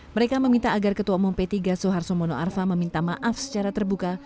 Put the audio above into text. mereka meminta agar ketua umum p tiga soeharto mono arfa meminta maaf secara terbuka